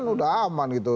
udah aman gitu